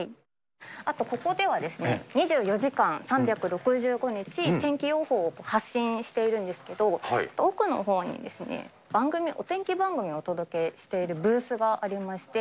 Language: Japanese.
あと、ここでは２４時間３６５日、天気予報を発信しているんですけど、奥のほうに、番組、お天気番組をお届けしているブースがありまして。